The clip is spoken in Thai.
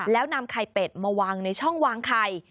แล้วนำไข่เป็ดมาวางในช่องวางไข่